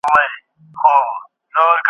ده د شخص پر ځای اصول پياوړي کړل.